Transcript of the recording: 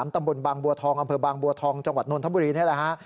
ตำบลบางบัวทองอำเภอบางบัวทองจังหวัดนทบุรีนี่แหละฮะ